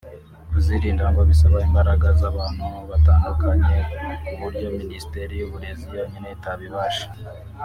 Kuzirinda ngo bisaba imbaraga z’abantu batandukanye ku buryo Minisiteri y’ubuzima yonyine itabibasha